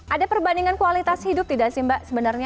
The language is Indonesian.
ada perbandingan kualitas hidup tidak sih mbak sebenarnya